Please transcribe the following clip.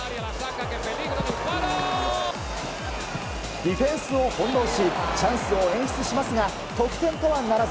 ディフェンスを翻弄しチャンスを演出しますが得点とはならず。